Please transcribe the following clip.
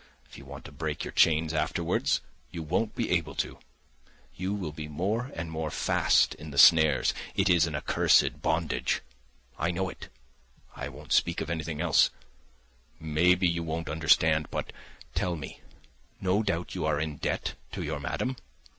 If you want to break your chains afterwards, you won't be able to; you will be more and more fast in the snares. It is an accursed bondage. I know it. I won't speak of anything else, maybe you won't understand, but tell me: no doubt you are in debt to your madam?